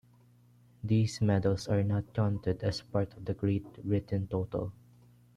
These medals are not counted as part of the Great Britain total.